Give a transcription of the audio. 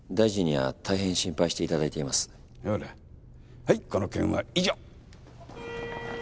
はいこの件は以上。